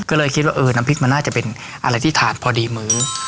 ก็เลยคิดว่าเออน้ำพริกมันน่าจะเป็นอะไรที่ถาดพอดีมื้อ